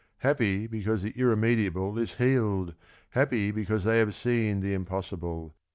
Happy because the irremediable is healed, Happy because they have seen the impossible.